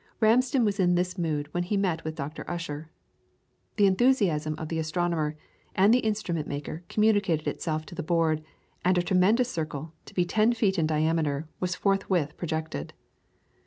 Ramsden was in this mood when he met with Dr. Ussher. The enthusiasm of the astronomer and the instrument maker communicated itself to the Board, and a tremendous circle, to be ten feet in diameter, was forthwith projected.